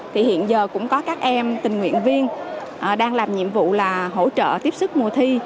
thì hiện giờ cũng có các em tình nguyện viên đang làm nhiệm vụ là hỗ trợ tiếp sức mùa thi